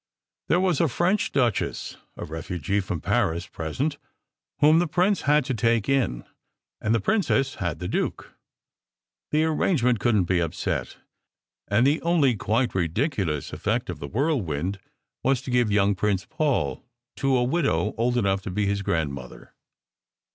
There was a French duchess a refugee from Paris present, whom the prince had to take in, and the princess had the duke. That ar rangement couldn t be upset; and the only quite ridiculous effect of the whirlwind was to give young Prince Paul to a widow old enough to be his grandmother.